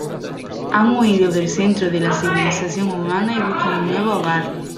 Han huido del centro de la civilización humana y buscan un nuevo hogar.